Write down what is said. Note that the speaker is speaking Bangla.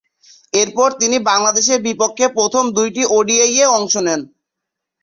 এরপর তিনি বাংলাদেশের বিপক্ষে প্রথম দুইটি ওডিআইয়ে অংশ নেন।